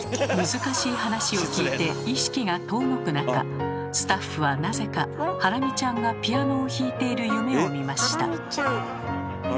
難しい話を聞いて意識が遠のく中スタッフはなぜかハラミちゃんがピアノを弾いている夢を見ました。